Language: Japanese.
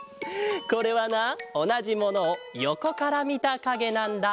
これはなおなじものをよこからみたかげなんだ。